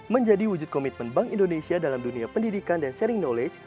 menjadi wujud komitmen bank indonesia dalam dunia pendidikan dan sharing knowledge